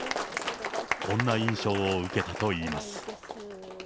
こんな印象を受けたといいます。